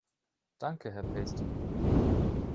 Danke, Herr Pasty.